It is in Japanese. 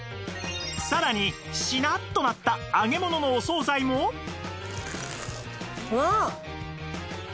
さらにしなっとなった揚げ物のお総菜もわあ！